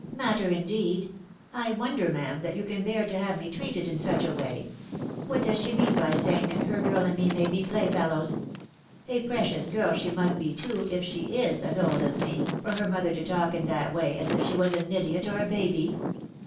" Matter, indeed ! I wonder, ma'am, that you can bear to have me treated in such a way. What does she mean by saying that her girl and me may be playfellows ? A precious girl she must be, too, if, she is as old as me, for her mother to talk in that way, as if she was an idiot, or a baby."